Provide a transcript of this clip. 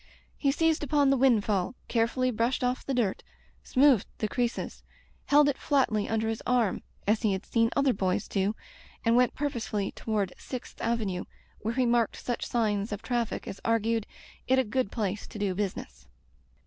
He seized upon the windfall, carefully brushed off the dirt, smoothed the creases, held it flatly under his arm as he had seen other boys do, and went purposefully toward Sixth Avenue, where he marked such sign^ of traffic as argued it a good place to do busi^ ness.